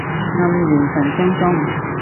黯然神傷中